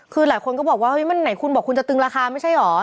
คือหลายคนก็บอกว่าเฮ้ยมันไหนคุณบอกคุณจะตึงราคาไม่ใช่เหรอ